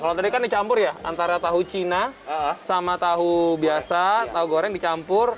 kalau tadi kan dicampur ya antara tahu cina sama tahu biasa tahu goreng dicampur